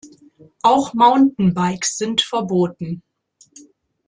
Auch Mountainbikes sind verboten.